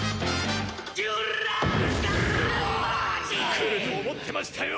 来ると思ってましたよ！